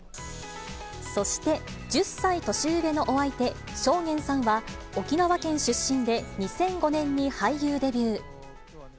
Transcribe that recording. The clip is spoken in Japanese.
そして、１０歳年上のお相手、尚玄さんは、沖縄県出身で２００５年に俳優デビュー。